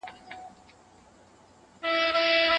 ژبپوهنه د ادبي څېړنې لپاره ډېره مهمه ده.